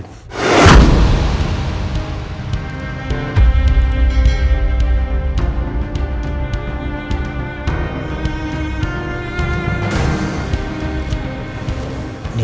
nino suami pertamanya andi